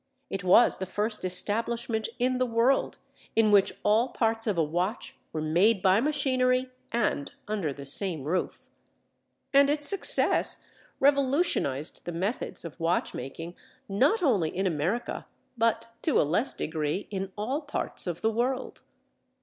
It was the first establishment in the world in which all parts of a watch were made by machinery and under the same roof. And its success revolutionized the methods of watch making not only in America but, to a less degree, in all parts of the world.